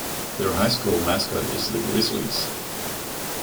Their high school mascot is the Grizzlies.